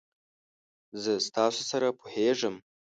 زه ستاسو سره پوهیږم.